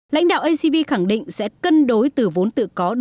lãnh đạo acv khẳng định acv sẽ đồng tư vào dự án này